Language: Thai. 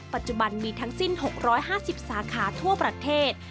ปัจจุบันมีทั้งสิ้น๖๕๐สาขาทั่วประเทศ